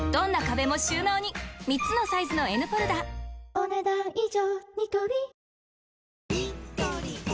お、ねだん以上。